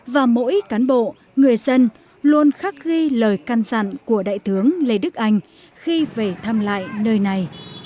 và mỗi cán bộ người dân luôn khắc ghi lời can dặn của đại tướng lê đức anh khi về thăm lại nơi này